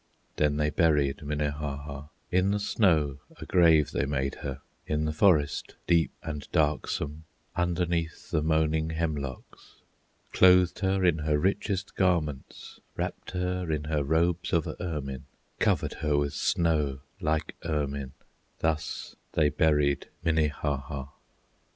Then they buried Minnehaha; In the snow a grave they made her In the forest deep and darksome Underneath the moaning hemlocks; Clothed her in her richest garments Wrapped her in her robes of ermine, Covered her with snow, like ermine; Thus they buried Minnehaha.